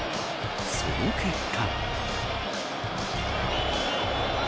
その結果。